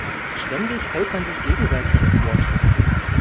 Ständig fällt man sich gegenseitig ins Wort.